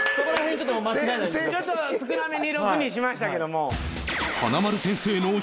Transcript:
ちょっと少なめに６にしましたけども。